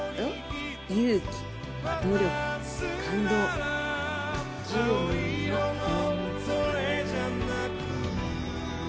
「勇気・努力・感動」「１０人の伝記」